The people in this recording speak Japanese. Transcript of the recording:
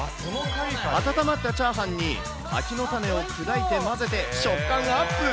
温まったチャーハンに、柿の種を砕いて混ぜて、食感アップ。